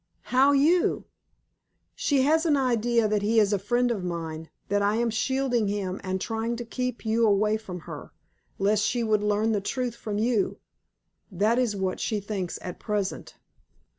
how you?" "She has an idea that he is a friend of mine that I am shielding him and trying to keep you away from her, lest she should learn the truth from you. That is what she thinks at present."